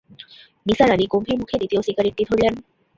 নিসার আলি গম্ভীর মুখে দ্বিতীয় সিগারেটটি ধরলেন।